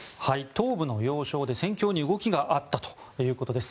東部の要衝で戦況に動きがあったということです。